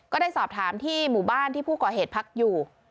ก็ได้สอบถามที่หมู่บ้านที่ผู้ก่อเหตุพักอยู่